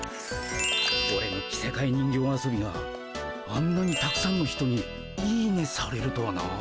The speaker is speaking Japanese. オレの着せかえ人形遊びがあんなにたくさんの人に「いいね」されるとはな。